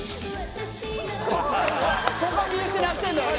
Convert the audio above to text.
ここ見失ってんだよね